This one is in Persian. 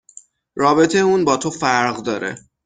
رابطه اون با تو فرق داره